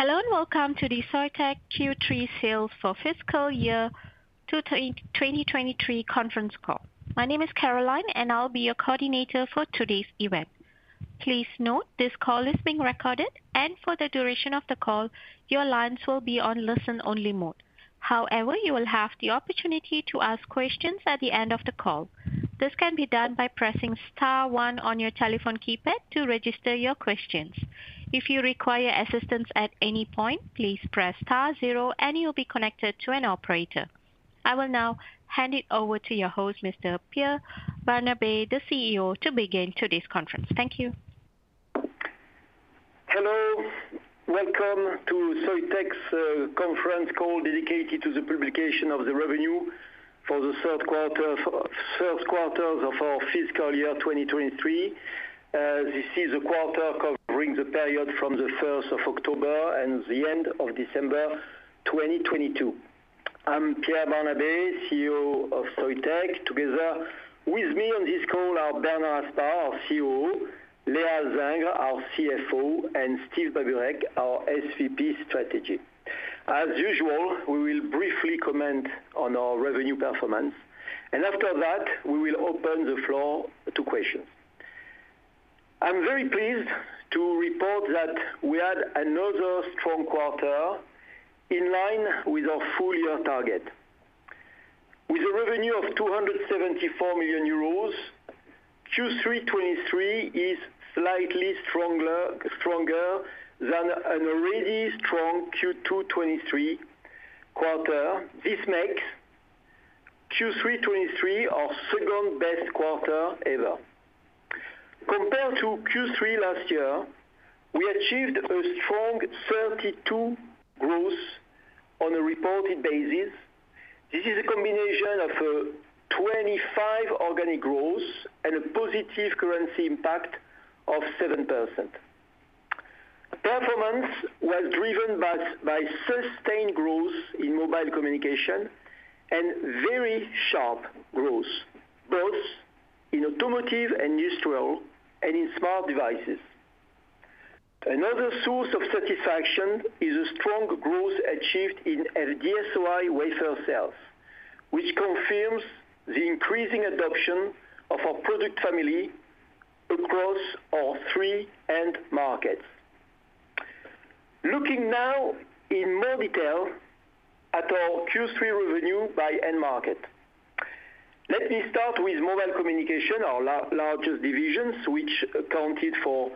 Hello, welcome to the Soitec Q3 sales for fiscal year 2023 conference call. My name is Caroline, and I'll be your coordinator for today's event. Please note this call is being recorded, and for the duration of the call, your lines will be on listen-only mode. However, you will have the opportunity to ask questions at the end of the call. This can be done by pressing star one on your telephone keypad to register your questions. If you require assistance at any point, please press star zero and you'll be connected to an operator. I will now hand it over to your host, Mr. Pierre Barnabé, the CEO, to begin today's conference. Thank you. Hello. Welcome to Soitec's conference call dedicated to the publication of the revenue for the third quarter of our fiscal year 2023. This is a quarter covering the period from the 1st of October and the end of December 2022. I'm Pierre Barnabé, CEO of Soitec. Together with me on this call are Bernard Aspar, our COO, Léa Alzingre, our CFO, and Steve Babureck, our SVP Strategy. As usual, we will briefly comment on our revenue performance. After that, we will open the floor to questions. I'm very pleased to report that we had another strong quarter in line with our full year target. With a revenue of 274 million euros, Q3 2023 is slightly stronger than an already strong Q2 2023 quarter. This makes Q3 2023 our second-best quarter ever. Compared to Q3 last year, we achieved a strong 32% growth on a reported basis. This is a combination of 25% organic growth and a positive currency impact of 7%. Performance was driven by sustained growth in Mobile Communication and very sharp growth, both in automotive, industrial, and in smart devices. Another source of satisfaction is a strong growth achieved in FD-SOI wafer sales, which confirms the increasing adoption of our product family across our three end markets. Looking now in more detail at our Q3 revenue by end market. Let me start with Mobile Communication, our largest divisions, which accounted for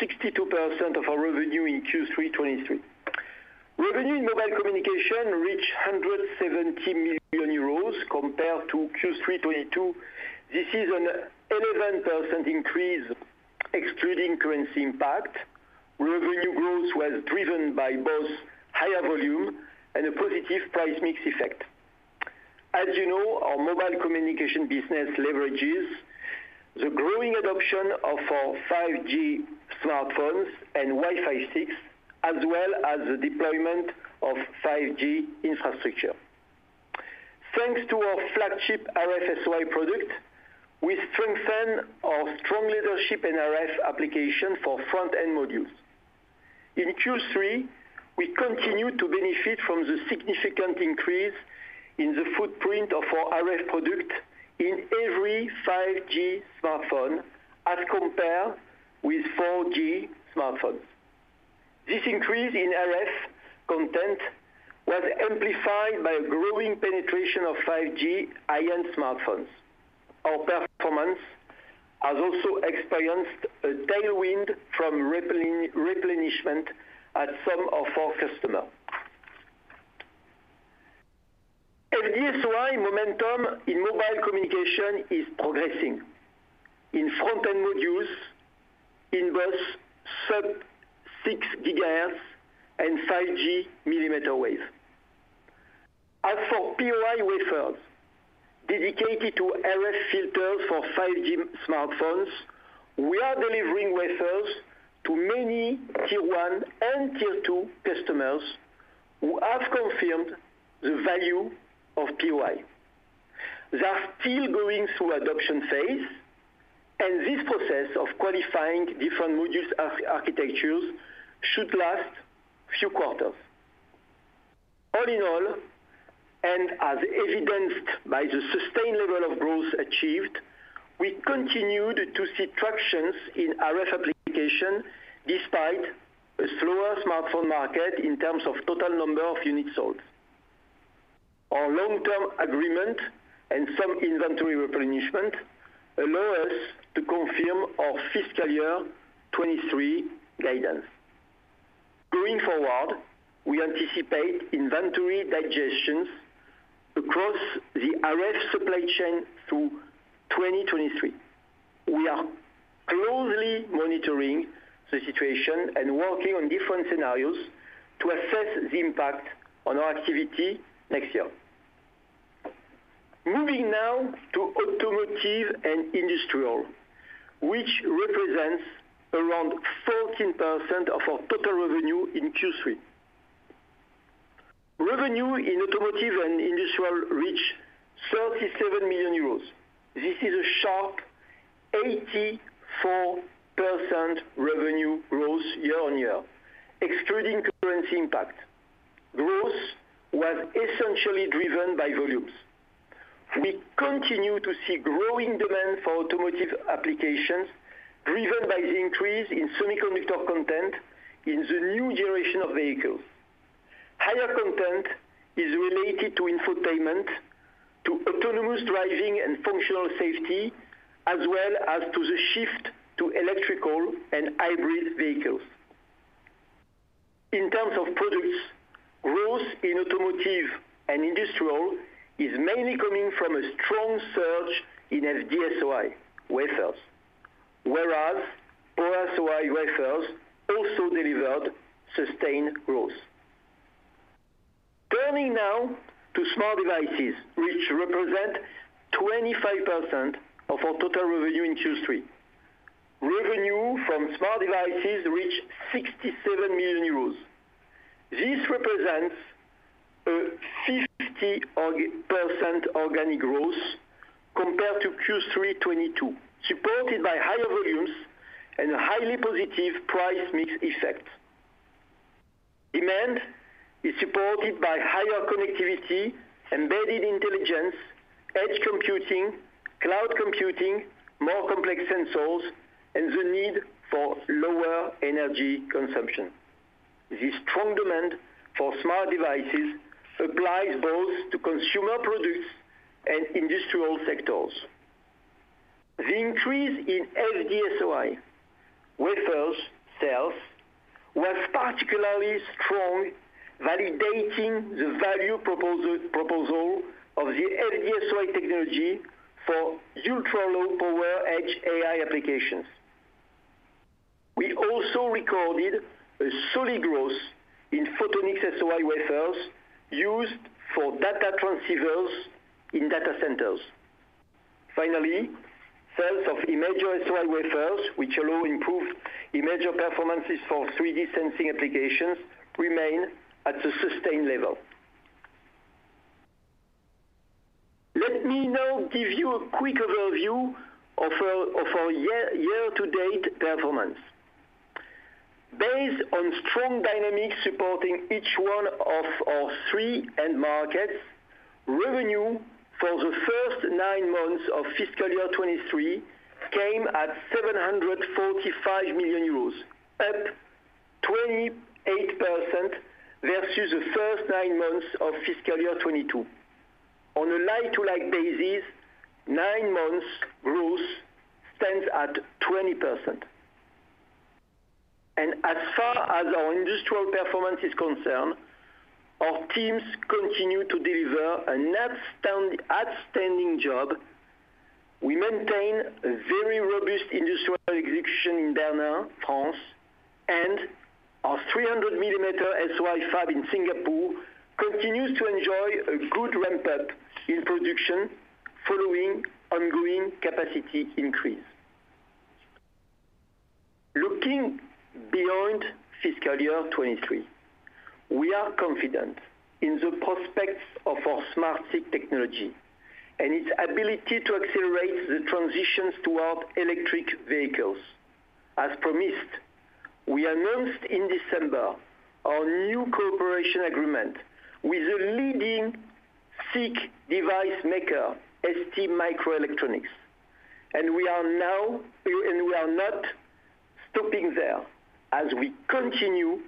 62% of our revenue in Q3 2023. Revenue in Mobile Communication reached 170 million euros compared to Q3 2022. This is an 11% increase excluding currency impact. Revenue growth was driven by both higher volume and a positive price mix effect. As you know, our Mobile Communication business leverages the growing adoption of our 5G smartphones and Wi-Fi 6, as well as the deployment of 5G infrastructure. Thanks to our flagship RF-SOI product, we strengthen our strong leadership in RF application for front-end modules. In Q3, we continue to benefit from the significant increase in the footprint of our RF product in every 5G smartphone as compared with 4G smartphones. This increase in RF content was amplified by a growing penetration of 5G high-end smartphones. Our performance has also experienced a tailwind from replenishment at some of our customer. FD-SOI momentum in mobile communication is progressing. In front-end modules, in both sub 6 gigahertz and 5G millimeter wave. As for POI wafers dedicated to RF filters for 5G smartphones, we are delivering wafers to many tier one and tier two customers who have confirmed the value of POI. They are still going through adoption phase, and this process of qualifying different module architectures should last few quarters. All in all, as evidenced by the sustained level of growth achieved, we continued to see tractions in RF application despite a slower smartphone market in terms of total number of units sold. Our long-term agreement and some inventory replenishment allow us to confirm our fiscal year 2023 guidance. Going forward, we anticipate inventory digestions across the RF supply chain through 2023. We are closely monitoring the situation and working on different scenarios to assess the impact on our activity next year. Moving now to automotive and industrial, which represents around 14% of our total revenue in Q3. Revenue in automotive and industrial reached €37 million. This is a sharp 84% revenue growth year-on-year, excluding currency impact. Growth was essentially driven by volumes. We continue to see growing demand for automotive applications driven by the increase in semiconductor content in the new generation of vehicles. Higher content is related to infotainment, to autonomous driving and functional safety, as well as to the shift to electrical and hybrid vehicles. In terms of products, growth in automotive and industrial is mainly coming from a strong surge in FD-SOI wafers, whereas OSOI wafers also delivered sustained growth. Turning now to smart devices, which represent 25% of our total revenue in Q3. Revenue from smart devices reached 67 million euros. This represents a 50% organic growth compared to Q3 '22, supported by higher volumes and a highly positive price mix effect. Demand is supported by higher connectivity, embedded intelligence, edge computing, cloud computing, more complex sensors, and the need for lower energy consumption. The strong demand for smart devices applies both to consumer products and industrial sectors. The increase in FD-SOI wafers sales was particularly strong, validating the value proposal of the FD-SOI technology for ultra-low power edge AI applications. We also recorded a solid growth in Photonics-SOI wafers used for data transceivers in data centers. Finally, sales of Imager-SOI wafers, which allow improved imager performances for 3D sensing applications, remain at a sustained level. Let me now give you a quick overview of our year-to-date performance. Based on strong dynamics supporting each one of our three end markets, revenue for the first nine months of fiscal year 2023 came at 745 million euros, up 28% versus the first nine months of fiscal year 2022. On a like-to-like basis, nine months growth stands at 20%. As far as our industrial performance is concerned, our teams continue to deliver an outstanding job. We maintain a very robust industrial execution in Bernin, France, and our 300 millimeter SOI fab in Singapore continues to enjoy a good ramp-up in production following ongoing capacity increase. Looking beyond fiscal year 2023, we are confident in the prospects of our SmartSiC technology and its ability to accelerate the transitions toward electric vehicles. As promised, we announced in December our new cooperation agreement with the leading SiC device maker, STMicroelectronics. We are not stopping there as we continue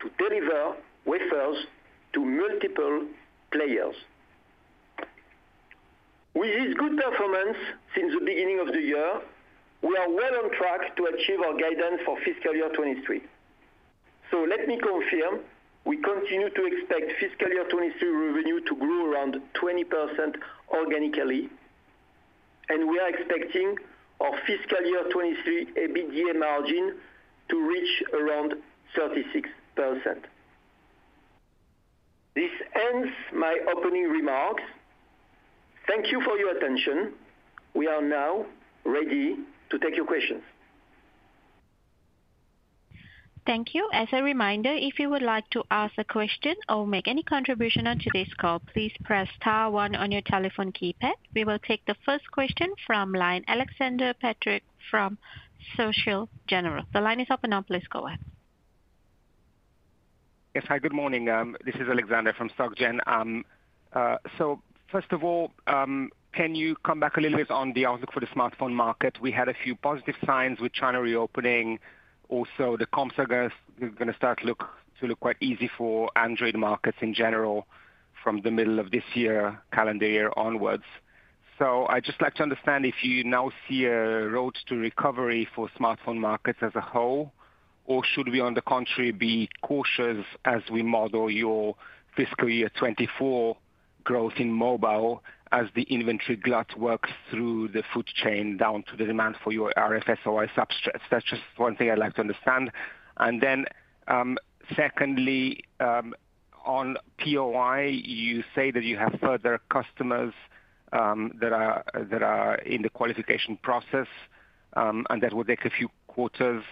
to deliver wafers to multiple players. With this good performance since the beginning of the year, we are well on track to achieve our guidance for fiscal year 2023. Let me confirm, we continue to expect fiscal year 2023 revenue to grow around 20% organically, we are expecting our fiscal year 2023 EBITDA margin to reach around 36%. This ends my opening remarks. Thank you for your attention. We are now ready to take your questions. Thank you. As a reminder, if you would like to ask a question or make any contribution onto this call, please press star one on your telephone keypad. We will take the first question from line, Aleksander Peterc from SocGen. The line is open now. Please go ahead. Yes. Hi, good morning. This is Alexander from SocGen. First of all, can you come back a little bit on the outlook for the smartphone market? We had a few positive signs with China reopening, also the comps are gonna start to look quite easy for Android markets in general from the middle of this year, calendar year onwards. I'd just like to understand if you now see a road to recovery for smartphone markets as a whole, or should we, on the contrary, be cautious as we model your fiscal year 2024 growth in mobile as the inventory glut works through the food chain down to the demand for your RF-SOI substrates? That's just one thing I'd like to understand. Secondly, on POI, you say that you have further customers that are in the qualification process, and that will take a few quarters.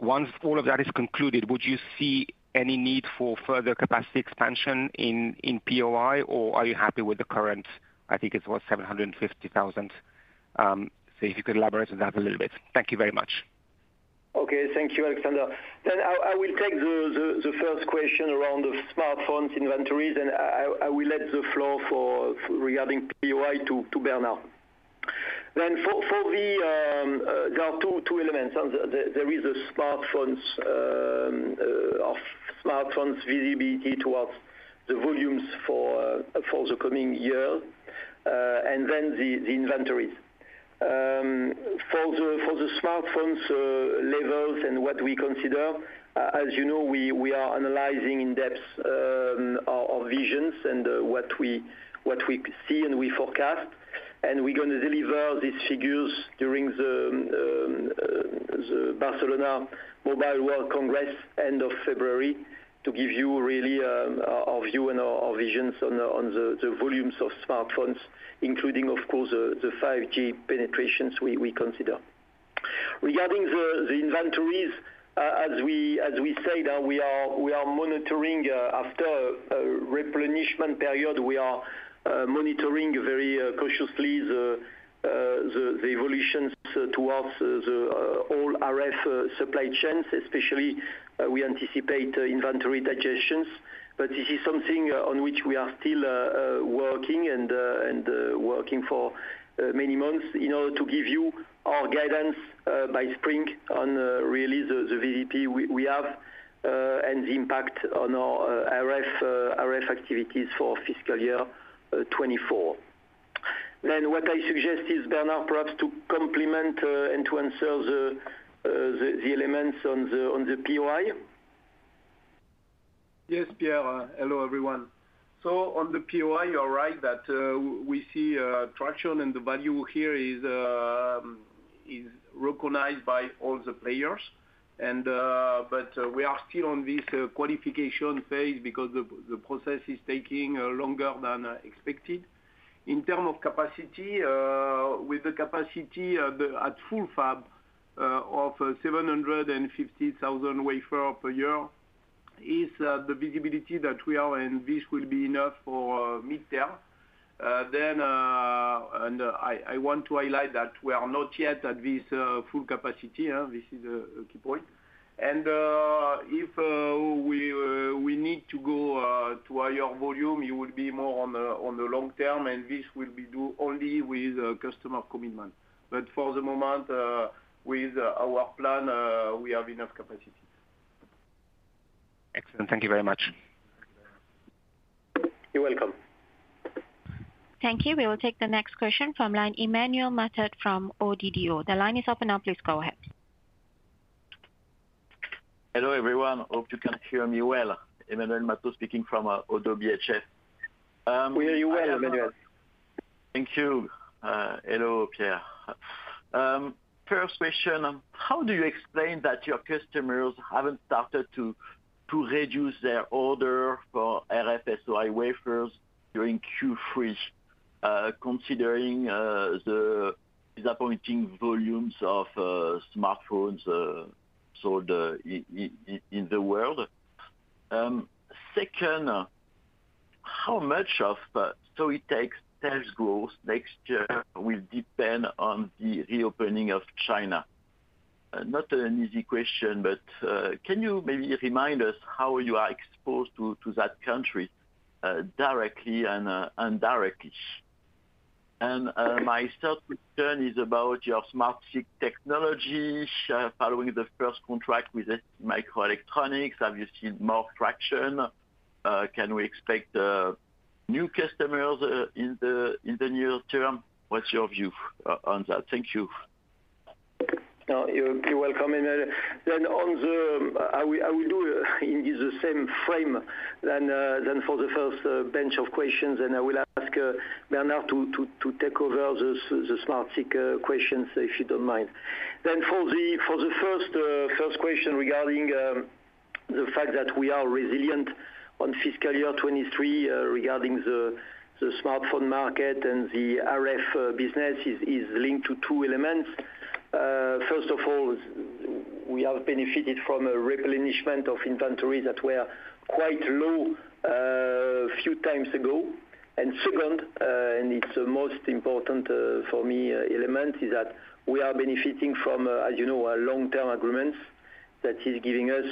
Once all of that is concluded, would you see any need for further capacity expansion in POI, or are you happy with the current, I think it was 750,000? If you could elaborate on that a little bit. Thank you very much. Okay. Thank you, Alexander. I will take the first question around the smartphones inventories, and I will let the floor regarding POI to Bernin. For the, there are 2 elements. There is smartphones visibility towards the volumes for the coming year, and then the inventories. For the smartphones levels and what we consider, as you know, we are analyzing in depth our visions and what we see and we forecast. We're gonna deliver these figures during the Barcelona Mobile World Congress end of February to give you really our view and our visions on the volumes of smartphones, including, of course, the 5G penetrations we consider. Regarding the inventories, as we say, that we are monitoring, after a replenishment period, we are monitoring very cautiously the evolutions towards the all RF supply chains, especially, we anticipate inventory digesters. This is something on which we are still working and working for many months in order to give you our guidance by spring on really the VVP we have and the impact on our RF activities for fiscal year 24. What I suggest is, Bernard, perhaps to complement and to answer the elements on the POI. Yes, Pierre. Hello, everyone. On the POI, you're right that we see traction and the value here is recognized by all the players. We are still on this qualification phase because the process is taking longer than expected. In term of capacity, with the capacity at full fab, of 750,000 wafer per year is the visibility that we have, and this will be enough for mid-term. Then, I want to highlight that we are not yet at this full capacity. This is a key point. If we need to go to a higher volume, it would be more on the long term, and this will be due only with customer commitment. For the moment, with our plan, we have enough capacity. Excellent. Thank you very much. You're welcome. Thank you. We will take the next question from line, Emmanuel Matot from ODDO. The line is open now. Please go ahead. Hello, everyone. Hope you can hear me well. Emmanuel Matot speaking from ODDO BHF. We hear you well, Emmanuel. Thank you. Hello, Pierre. First question, how do you explain that your customers haven't started to reduce their order for RF SOI wafers during Q3, considering the disappointing volumes of smartphones sold in the world? Second, how much of Soitec sales growth next year will depend on the reopening of China? Not an easy question, can you maybe remind us how you are exposed to that country, directly and indirectly? My third question is about your SmartSiC technology. Following the first contract with STMicroelectronics, have you seen more traction? Can we expect new customers in the near term? What's your view on that? Thank you. No, you're welcome, Emmanuel. I will do in the same frame than than for the first bench of questions, and I will ask Bernard Aspar to take over the SmartSiC questions, if you don't mind. For the first question regarding the fact that we are resilient on fiscal year 2023, regarding the smartphone market and the RF business is linked to two elements. First of all, we have benefited from a replenishment of inventory that were quite low few times ago. Second, and it's the most important, for me element, is that we are benefiting from, as you know, our long-term agreements that is giving us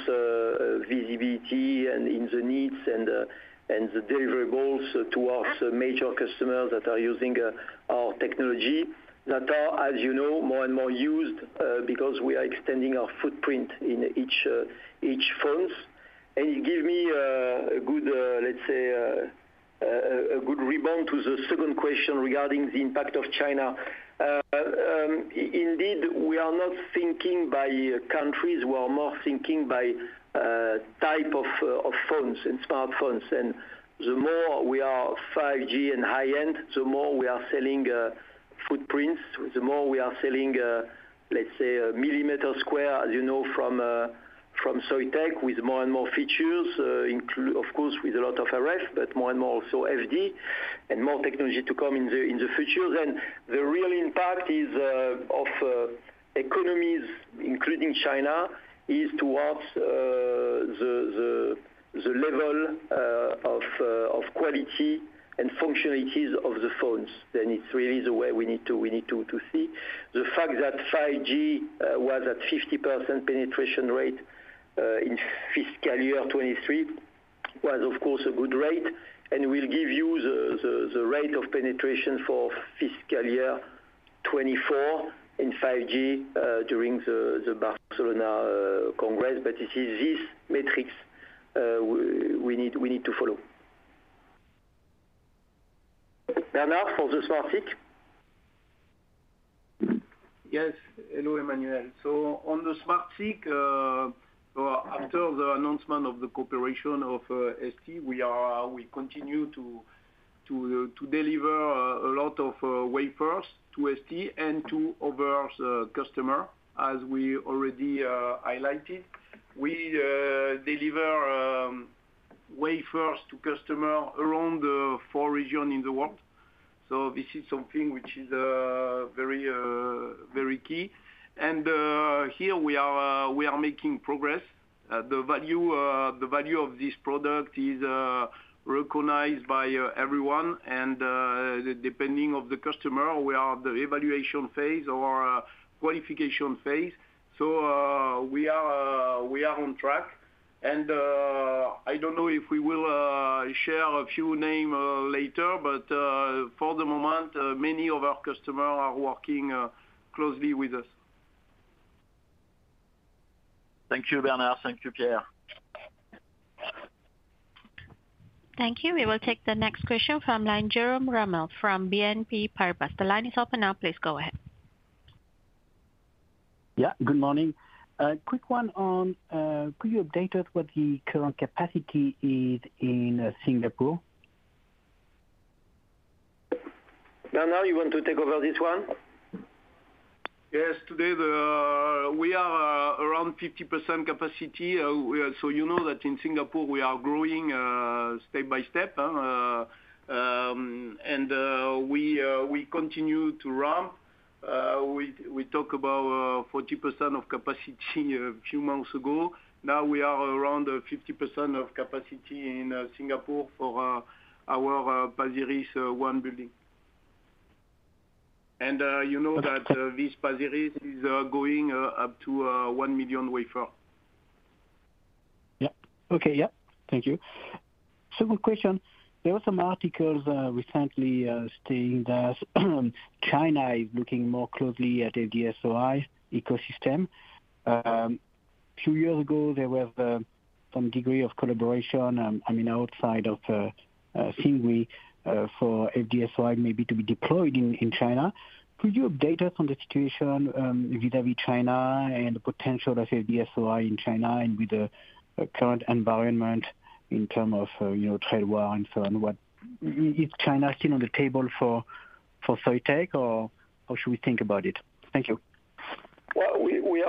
visibility in the needs and the deliverables towards major customers that are using our technology that are, as you know, more and more used, because we are extending our footprint in each phones. You give me a good, let's say, a good rebound to the second question regarding the impact of China. Indeed, we are not thinking by countries. We are more thinking by type of phones and smartphones. The more we are 5G and high-end, the more we are selling footprints, the more we are selling, let's say a millimeter square, as you know, from Soitec with more and more features, of course, with a lot of RF, but more and more also FD and more technology to come in the future. The real impact is of economies, including China, is towards the level of quality and functionalities of the phones. It's really the way we need to see. The fact that 5G was at 50% penetration rate in fiscal year 2023 was of course a good rate and will give you the rate of penetration for fiscal year 2024 in 5G during the Barcelona congress. It is this metrics, we need to follow. Bernard, for the SmartSiC? Yes. Hello, Emmanuel. On the SmartSiC, after the announcement of the cooperation of ST, we continue to deliver a lot of wafers to ST and to other customer, as we already highlighted. We deliver wafers to customer around the 4 regions in the world. This is something which is very, very key. Here we are, we are making progress. The value of this product is recognized by everyone and depending of the customer, we are at the evaluation phase or qualification phase. We are on track and I don't know if we will share a few names later, for the moment, many of our customer are working closely with us. Thank you, Bernard. Thank you, Pierre. Thank you. We will take the next question from Jerome Ramel from BNP Paribas. The line is open now. Please go ahead. Yeah. Good morning. A quick one on, could you update us what the current capacity is in Singapore? Bernard, you want to take over this one? Yes. Today we are around 50% capacity. You know that in Singapore we are growing step by step, and we continue to ramp. We talk about 40% of capacity a few months ago. Now we are around 50% capacity in Singapore for our Pasir Ris One building. You know that this Pasir Ris is going up to 1 million wafer. Yeah. Okay. Yeah. Thank you. Second question. There were some articles recently stating that China is looking more closely at FD-SOI ecosystem. Few years ago there was some degree of collaboration, I mean, outside of Simgui, for FD-SOI maybe to be deployed in China. Could you update us on the situation vis-a-vis China and the potential of FD-SOI in China and with the current environment in term of, you know, trade war and so on? Is China still on the table for Soitec or how should we think about it? Thank you. Well, we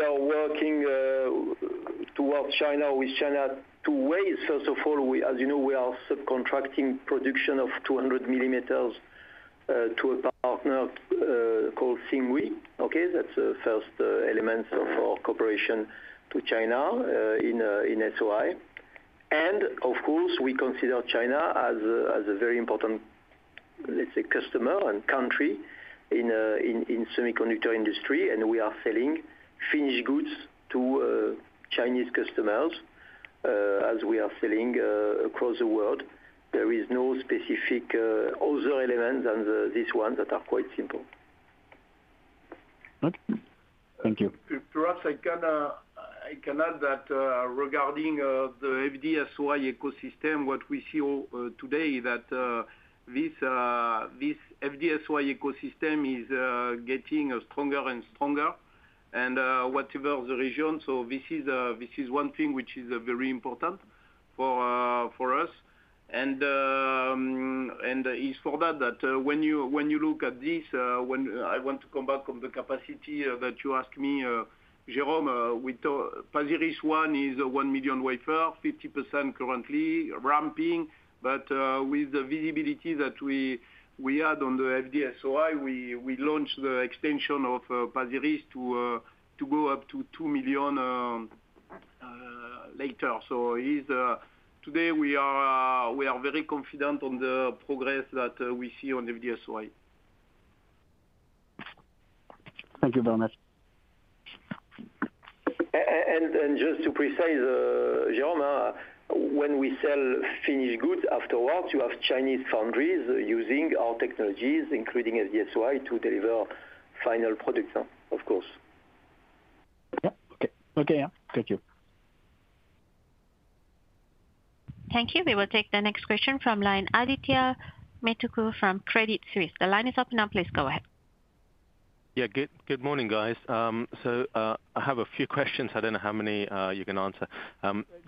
are working towards China, with China two ways. First of all, as you know, we are subcontracting production of 200 millimeters to a partner called Simgui, okay? That's the first element of our cooperation to China in SOI. Of course, we consider China as a very important, let's say, customer and country in semiconductor industry. We are selling finished goods to Chinese customers as we are selling across the world. There is no specific other element than this one that are quite simple. Okay. Thank you. Perhaps I can add that regarding the FD-SOI ecosystem, what we see today is that this FD-SOI ecosystem is getting stronger and stronger and whatever the region. This is one thing which is very important for us. It's for that that when you when you look at this I want to come back on the capacity that you asked me, Jerome. Pasir Ris One is 1 million wafer, 50% currently ramping. With the visibility that we had on the FD-SOI, we launched the extension of Pasir Ris to go up to 2 million later. Today we are very confident on the progress that we see on FD-SOI. Thank you very much. Just to precise, Jerome, when we sell finished goods afterwards, you have Chinese foundries using our technologies, including FD-SOI, to deliver final products, of course. Yeah. Okay. Okay, yeah. Thank you. Thank you. We will take the next question from line, Adithya Metuku from Credit Suisse. The line is open now. Please go ahead. Yeah. Good morning, guys. I have a few questions. I don't know how many you can answer.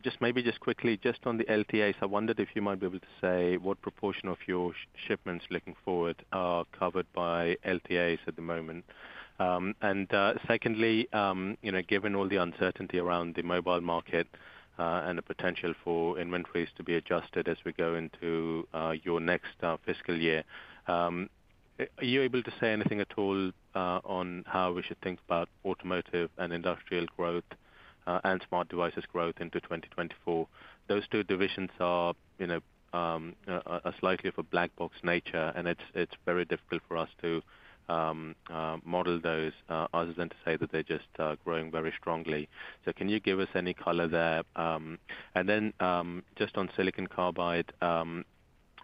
Just maybe just quickly, just on the LTAs, I wondered if you might be able to say what proportion of your shipments looking forward are covered by LTAs at the moment. Secondly, you know, given all the uncertainty around the mobile market, and the potential for inventories to be adjusted as we go into your next fiscal year, are you able to say anything at all on how we should think about automotive and industrial growth, and smart devices growth into 2024? Those two divisions are, you know, are slightly of a black box nature, and it's very difficult for us to model those other than to say that they're just growing very strongly. Can you give us any color there? Just on Silicon Carbide,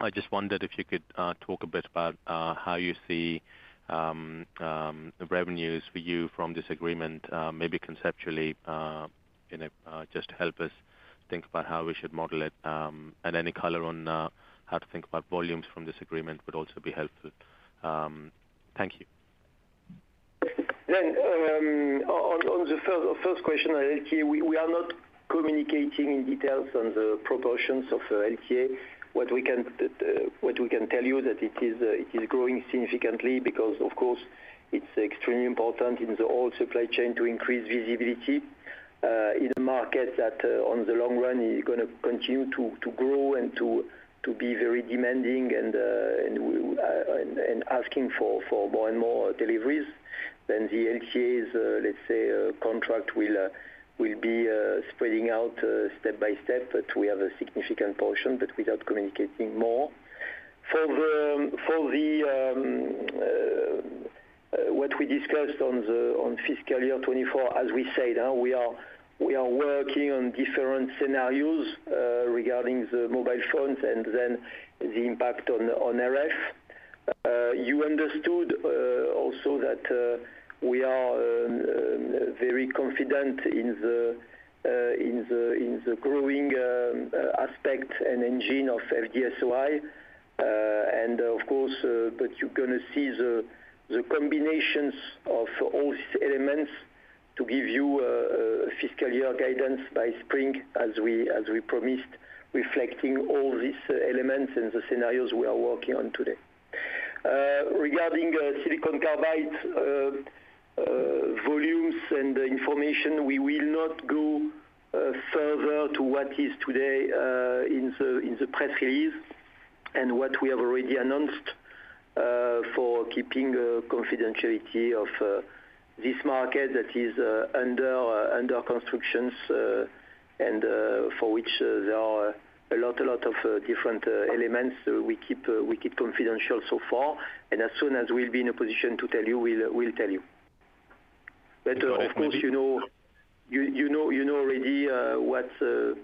I just wondered if you could talk a bit about how you see the revenues for you from this agreement, maybe conceptually, you know, just to help us think about how we should model it, and any color on how to think about volumes from this agreement would also be helpful. Thank you. On the first question on LTA, we are not communicating in details on the proportions of LTA. What we can tell you that it is growing significantly because of course it's extremely important in the whole supply chain to increase visibility in a market that on the long run is gonna continue to grow and to be very demanding and we and asking for more and more deliveries. The LTAs, let's say, contract will be spreading out step by step, but we have a significant portion, but without communicating more. What we discussed on the fiscal year 2024, as we said, we are working on different scenarios regarding the mobile phones and then the impact on RF. You understood also that we are very confident in the growing aspect and engine of FD-SOI. Of course, you're gonna see the combinations of all these elements to give you fiscal year guidance by spring as we promised, reflecting all these elements and the scenarios we are working on today. Regarding silicon carbide volumes and information, we will not go further to what is today in the press release and what we have already announced for keeping confidentiality of this market that is under constructions, and for which there are a lot of different elements we keep confidential so far. As soon as we'll be in a position to tell you, we'll tell you. Of course, you know, you know already, what's the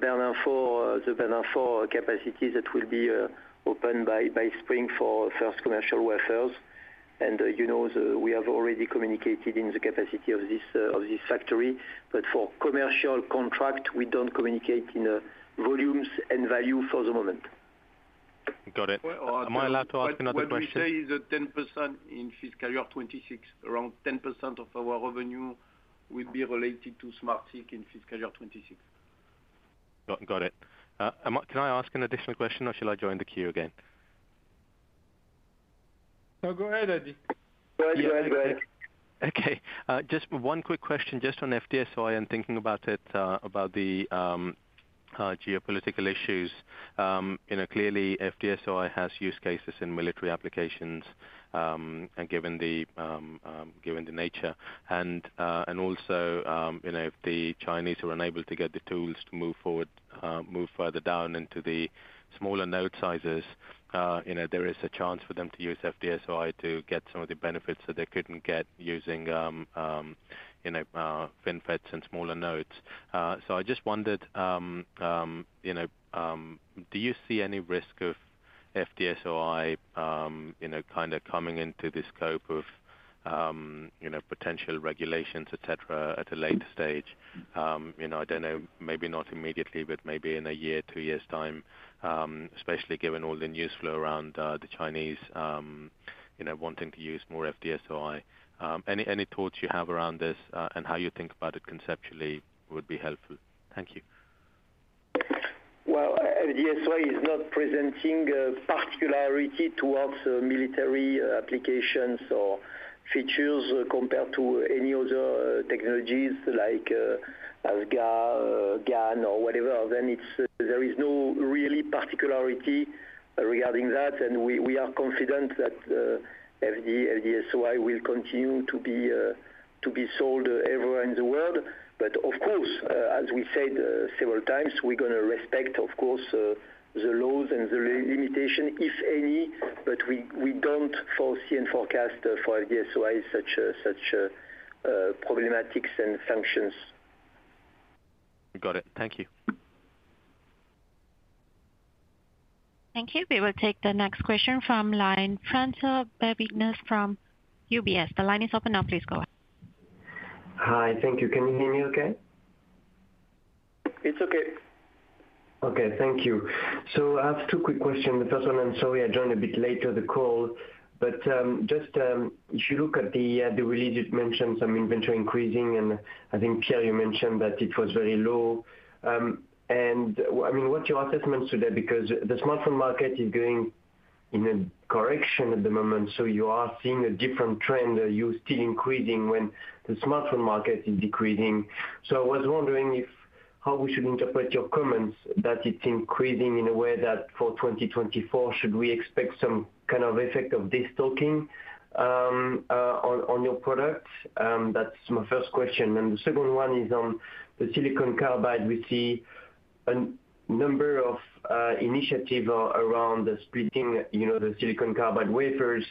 Bernin 4 capacity that will be open by spring for first commercial wafers. You know, we have already communicated in the capacity of this factory. For commercial contract, we don't communicate in volumes and value for the moment. Got it. Am I allowed to ask another question? What we say is that 10% in fiscal year 2026, around 10% of our revenue will be related to SmartSiC in fiscal year 2026. Got it. Can I ask an additional question or shall I join the queue again? No, go ahead, Adi. Go ahead. Go ahead. Okay. Just one quick question just on FD-SOI and thinking about it, about the geopolitical issues. You know, clearly FD-SOI has use cases in military applications, and given the given the nature and also, you know, if the Chinese were unable to get the tools to move forward, move further down into the smaller node sizes, you know, there is a chance for them to use FD-SOI to get some of the benefits that they couldn't get using, you know, FinFETs and smaller nodes. I just wondered, you know, do you see any risk of FD-SOI, you know, coming into the scope of, you know, potential regulations, et cetera, at a later stage? You know, I don't know, maybe not immediately, but maybe in 1 year or 2 years time, especially given all the news flow around the Chinese, you know, wanting to use more FD-SOI. Any, any thoughts you have around this and how you think about it conceptually would be helpful. Thank you. Well, FD-SOI is not presenting a particularity towards military applications or features compared to any other technologies like AlGaN, GaN or whatever. There is no really particularity regarding that. We are confident that FD-SOI will continue to be sold everywhere in the world. Of course, as we said several times, we're gonna respect, of course, the laws and the limitation, if any, but we don't foresee and forecast for FD-SOI such problematics and sanctions. Got it. Thank you. Thank you. We will take the next question from line. Francois-Xavier Bouvignies from UBS. The line is open now. Please go ahead. Hi. Thank you. Can you hear me okay? It's okay. Okay, thank you. I have two quick questions. The first one, I'm sorry, I joined a bit later the call, but, just, if you look at the release, it mentions some inventory increasing, and I think, Pierre, you mentioned that it was very low. And I mean what's your assessment today? Because the smartphone market is going in a correction at the moment, so you are seeing a different trend. Are you still increasing when the smartphone market is decreasing? I was wondering how we should interpret your comments that it's increasing in a way that for 2024, should we expect some effect of this talking on your product? That's my first question. The second one is on the silicon carbide. We see a number of initiative around the splitting, you know, the silicon carbide wafers.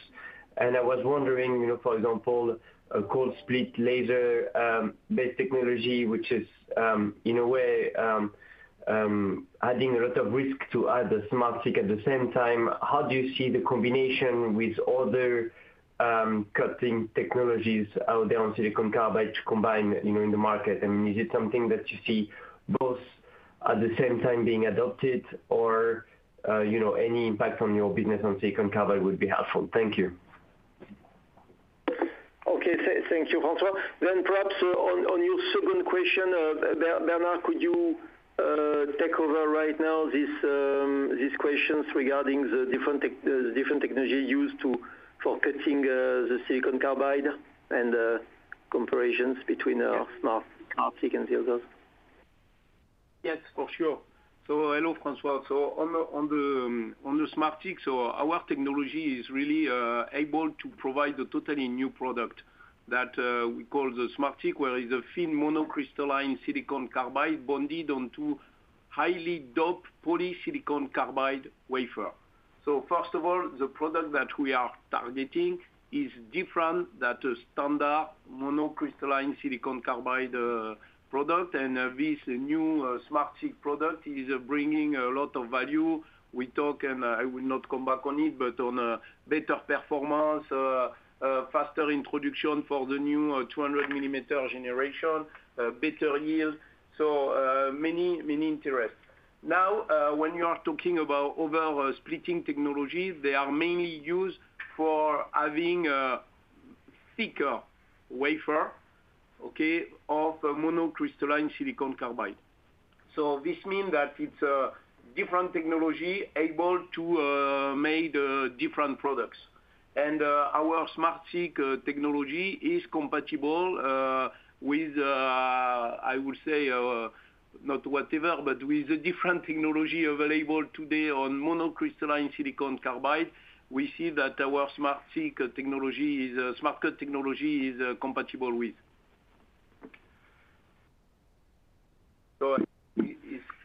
I was wondering, you know, for example, a cold split laser based technology, which is in a way adding a lot of risk to other SmartSiC at the same time. How do you see the combination with other cutting technologies out there on silicon carbide combined, you know, in the market? I mean, is it something that you see both at the same time being adopted or, you know, any impact on your business on silicon carbide would be helpful. Thank you. Okay. Thank you, François. Perhaps on your second question, Bernard, could you take over right now this, these questions regarding the different technology used for cutting the silicon carbide and comparisons between SmartSiC and the others? Yes, for sure. Hello, Francois. On the SmartSiC, our technology is really able to provide a totally new product that we call the SmartSiC, where is a thin monocrystalline silicon carbide bonded onto highly doped polysilicon carbide wafer. First of all, the product that we are targeting is different that a standard monocrystalline silicon carbide product. This new SmartSiC product is bringing a lot of value. We talk, and I will not come back on it, but on a better performance, faster introduction for the new 200 millimeter generation, better yield, many interests. Now, when you are talking about other splitting technologies, they are mainly used for having a thicker wafer, okay, of monocrystalline silicon carbide. This mean that it's a different technology able to make different products. Our SmartSiC technology is compatible with, I would say, not whatever, but with the different technology available today on monocrystalline silicon carbide. We see that our SmartSiC technology is a Smart Cut technology is compatible with. It's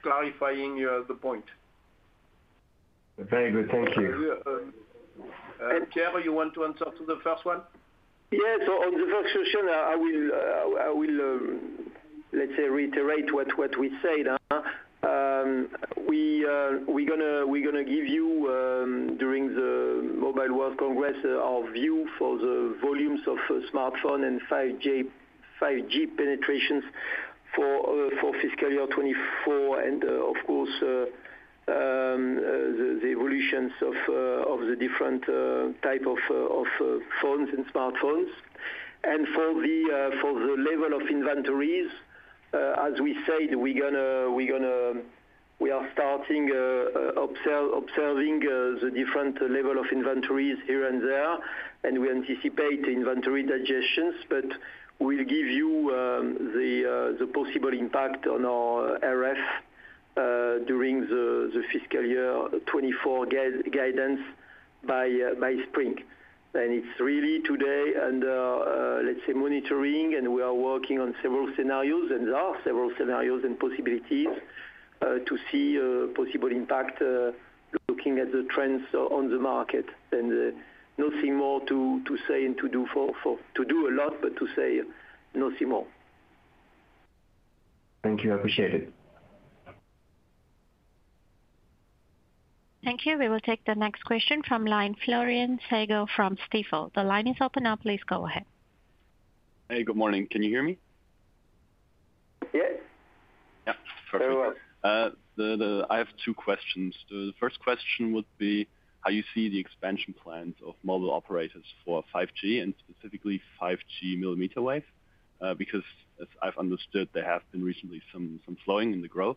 clarifying the point. Very good. Thank you. Pierre, you want to answer to the first one? Yes. On the first question, I will let's say reiterate what we said. We gonna give you during the Mobile World Congress our view for the volumes of smartphone and 5G penetrations for fiscal year 24 and, of course, the evolutions of the different type of phones and smartphones. For the level of inventories, as we said, we're gonna we are starting observing the different level of inventories here and there, and we anticipate inventory digesters. We'll give you the possible impact on our RF during the fiscal year 24 guidance by spring. It's really today under, let's say, monitoring, and we are working on several scenarios, and there are several scenarios and possibilities, to see a possible impact, looking at the trends on the market. Nothing more to say and to do a lot, but to say nothing more. Thank you. I appreciate it. Thank you. We will take the next question from line Florian Seibel from Stifel. The line is open now. Please go ahead. Hey, good morning. Can you hear me? Yes. Yeah. Perfect. Very well. I have two questions. The first question would be how you see the expansion plans of mobile operators for 5G and specifically 5G millimeter wave. Because as I've understood, there have been recently some flowing in the growth.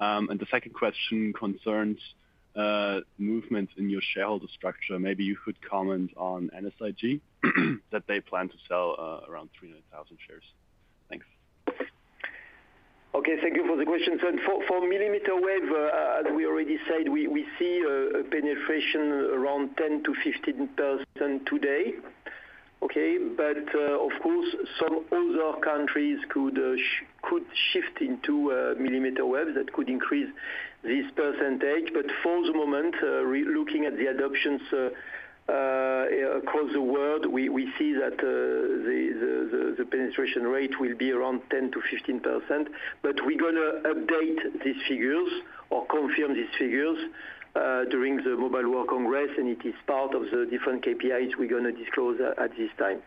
The second question concerns movement in your shareholder structure. Maybe you could comment on NSIG, that they plan to sell around 300,000 shares. Thanks. Okay. Thank you for the question. For millimeter wave, as we already said, we see a penetration around 10%-15% today, okay? Of course, some other countries could shift into millimeter wave that could increase this %. For the moment, looking at the adoptions across the world, we see that the penetration rate will be around 10%-15%. We're gonna update these figures or confirm these figures during the Mobile World Congress, and it is part of the different KPIs we're gonna disclose at this time.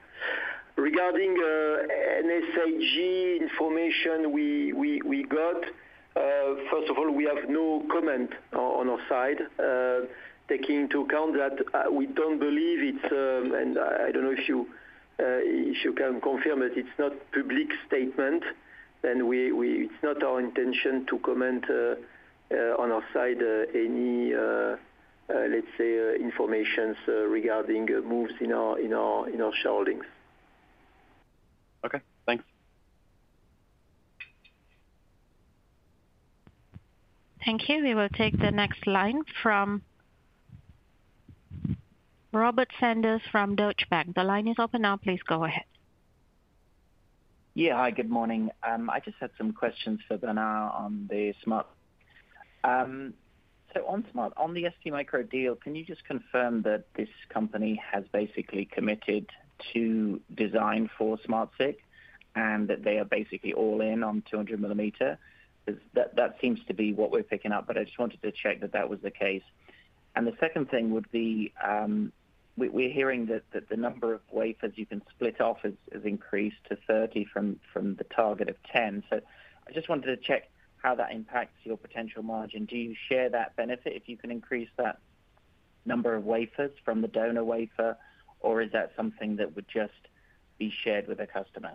Regarding NSIG information we got, first of all, we have no comment on our side. Taking into account that we don't believe it's... I don't know if you, if you can confirm it's not public statement, It's not our intention to comment, on our side, any, let's say, information regarding moves in our, in our, in our shareholdings. Okay, thanks. Thank you. We will take the next line from Robert Sanders from Deutsche Bank. The line is open now. Please go ahead. Hi, good morning. I just had some questions for Bernard on the Smart. On Smart, on the STMicroelectronics deal, can you just confirm that this company has basically committed to design for SmartSiC, and that they are basically all in on 200 millimeter? That seems to be what we're picking up, but I just wanted to check that that was the case. The second thing would be, we're hearing that the number of wafers you can split off has increased to 30 from the target of 10. I just wanted to check how that impacts your potential margin. Do you share that benefit if you can increase that number of wafers from the donor wafer, or is that something that would just be shared with a customer?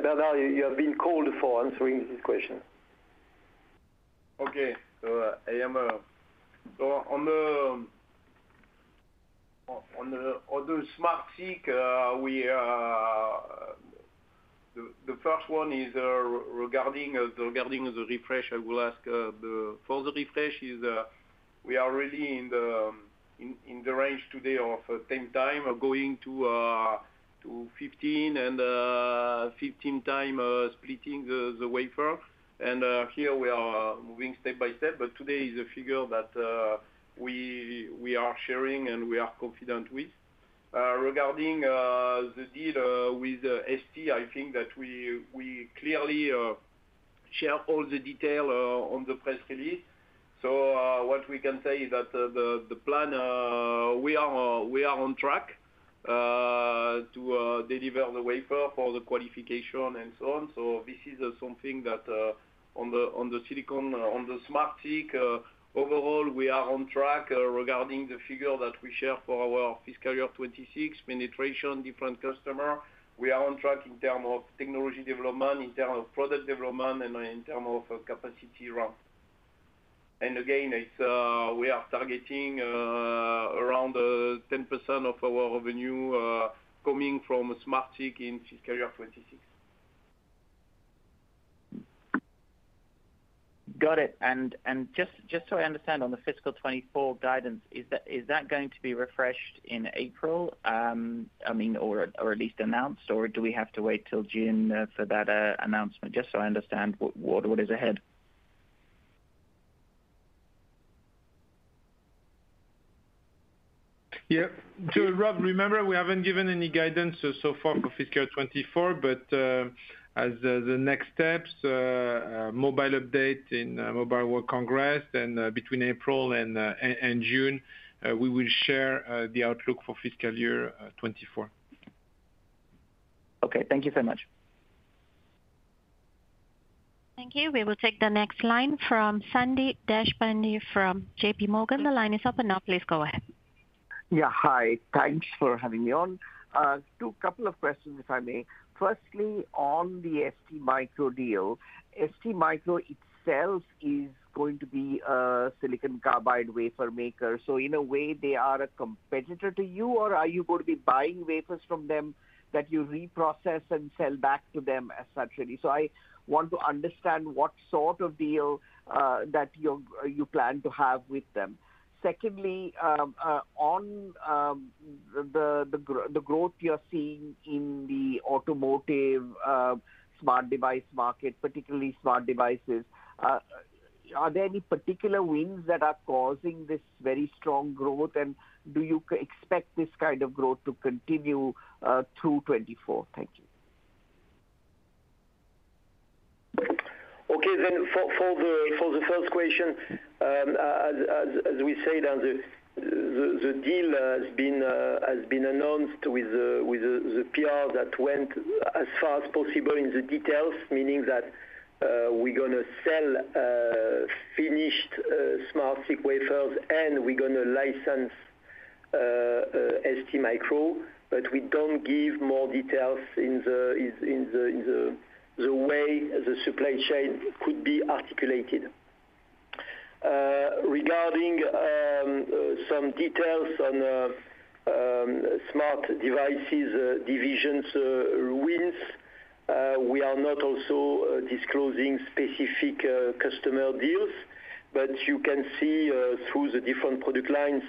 Bernard, you have been called for answering this question. Okay. On the SmartSiC. The first one is regarding the refresh, I will ask. For the refresh is we are really in the range today of 10 times of going to 15 and 15 times splitting the wafer. Here we are moving step by step, but today is a figure that we are sharing and we are confident with. Regarding the deal with ST, I think that we clearly share all the detail on the press release. What we can say is that the plan we are on track to deliver the wafer for the qualification and so on. This is something that on the silicon, on the SmartSiC overall, we are on track regarding the figure that we share for our fiscal year 26 penetration, different customer. We are on track in term of technology development, in term of product development, and in term of capacity ramp. Again, it's we are targeting around 10% of our revenue coming from SmartSiC in fiscal year 26. Got it. Just so I understand on the fiscal 2024 guidance, is that going to be refreshed in April? I mean, or at least announced, or do we have to wait till June for that announcement? Just so I understand what is ahead. Yeah. Rob, remember we haven't given any guidance so far for fiscal 2024, as the next steps, mobile update in Mobile World Congress, and between April and June, we will share the outlook for fiscal year 2024. Okay. Thank you so much. Thank you. We will take the next line from Sandeep Deshpande from J.P. Morgan. The line is open now. Please go ahead. Yeah. Hi. Thanks for having me on. two couple of questions, if I may. Firstly, on the STMicro deal, STMicro itself is going to be a silicon carbide wafer maker. In a way, they are a competitor to you, or are you going to be buying wafers from them that you reprocess and sell back to them as such, really? I want to understand what sort of deal that you plan to have with them. Secondly, on the growth you're seeing in the automotive smart device market, particularly smart devices, are there any particular wins that are causing this very strong growth? And do you expect this growth to continue through 2024? Thank you. Okay. For the first question, as we said, the deal has been announced with the PR that went as far as possible in the details, meaning that we're gonna sell finished SmartSiC wafers, and we're gonna license STMicro, but we don't give more details in the way the supply chain could be articulated. Regarding some details on smart devices divisions wins, we are not also disclosing specific customer deals. You can see, through the different product lines,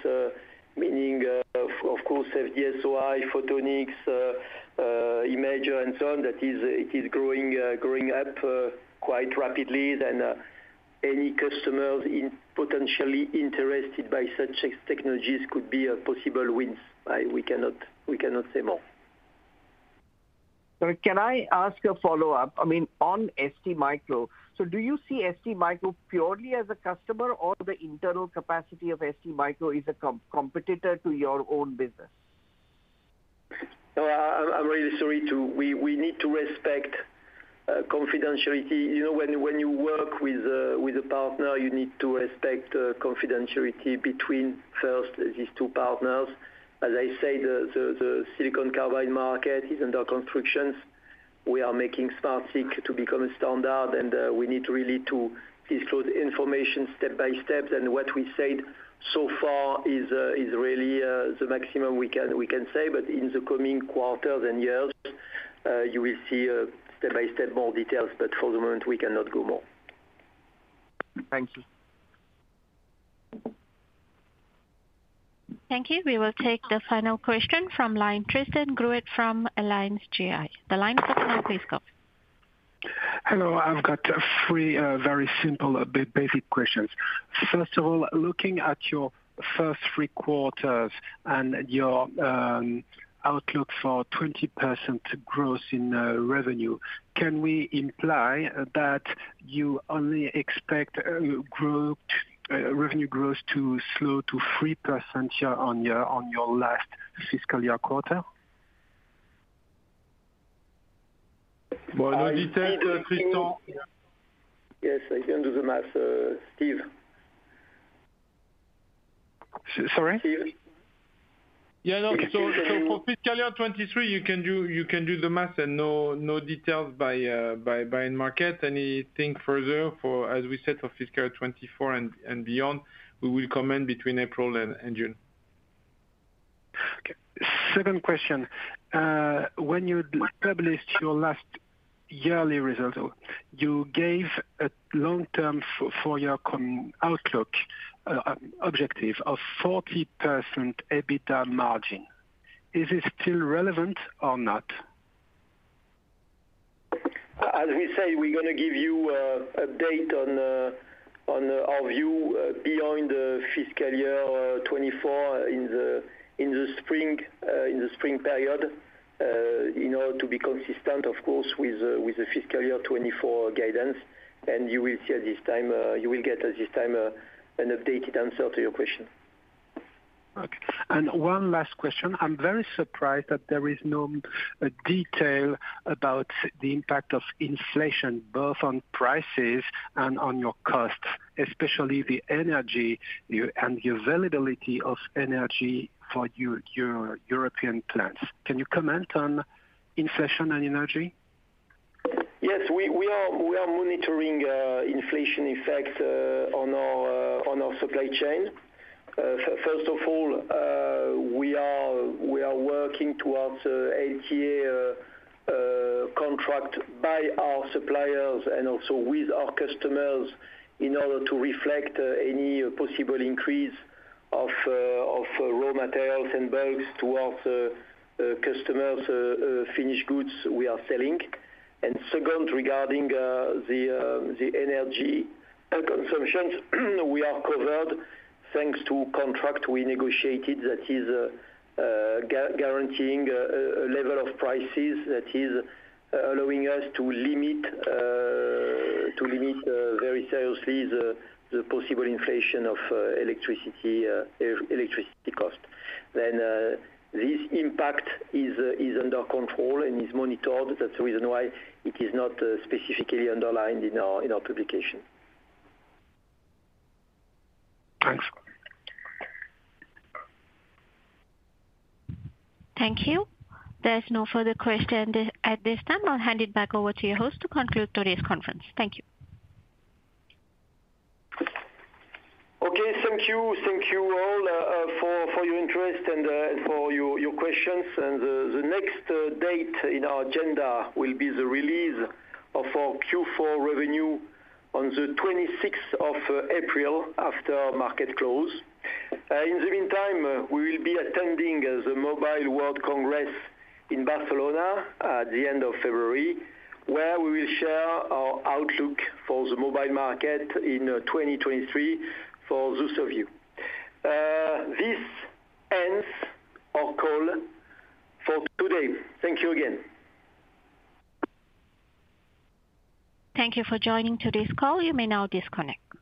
meaning, of course, FD-SOI, Photonics, Imager and so on, that it is growing up quite rapidly, then, any customers potentially interested by such technologies could be a possible win. We cannot say more. Can I ask a follow-up? I mean, on STMicro. Do you see STMicro purely as a customer or the internal capacity of STMicro is a competitor to your own business? No, I'm really sorry to... We need to respect confidentiality. You know, when you work with a partner, you need to respect confidentiality between first these two partners. As I say, the silicon carbide market is under constructions. We are making SmartSiC to become a standard, and we need really to disclose information step by step. What we said so far is really the maximum we can say. In the coming quarters and years, you will see step by step more details. For the moment, we cannot go more. Thank you. Thank you. We will take the final question from line, Tristan Greset from AllianzGI. The line is open now, please go ahead. Hello. I've got three very simple basic questions. First of all, looking at your first three quarters and your outlook for 20% growth in revenue, can we imply that you only expect growth, revenue growth to slow to 3% here on your last fiscal year quarter? Well, no detail, Tristan. Yes, I can do the math. Steve. S-sorry? Steve? Yeah. No. For fiscal year 2023, you can do the math and no details by market. Anything further for, as we said, for fiscal year 2024 and beyond, we will comment between April and June. Okay. Second question. When you published your last yearly results, you gave a long-term for your outlook, objective of 40% EBITDA margin. Is it still relevant or not? As we said, we're gonna give you, update on, our view, beyond the fiscal year 2024 in the spring, in the spring period. You know, to be consistent, of course, with the fiscal year 2024 guidance. You will see at this time, you will get at this time, an updated answer to your question. Okay. One last question. I'm very surprised that there is no detail about the impact of inflation both on prices and on your costs, especially the energy, and the availability of energy for your European plants. Can you comment on inflation and energy? Yes. We are monitoring inflation effect on our supply chain. First of all, we are working towards LTA contract by our suppliers and also with our customers in order to reflect any possible increase of raw materials and bulks towards customers finished goods we are selling. Second, regarding the energy consumptions, we are covered thanks to contract we negotiated that is guaranteeing a level of prices that is allowing us to limit very seriously the possible inflation of electricity cost. This impact is under control and is monitored. That's the reason why it is not specifically underlined in our publication. Thanks. Thank you. There's no further question at this time. I'll hand it back over to your host to conclude today's conference. Thank you. Okay. Thank you. Thank you all for your interest and for your questions. The next date in our agenda will be the release of our Q4 revenue on the 26th of April after market close. In the meantime, we will be attending the Mobile World Congress in Barcelona at the end of February, where we will share our outlook for the mobile market in 2023 for those of you. This ends our call for today. Thank you again. Thank you for joining today's call. You may now disconnect.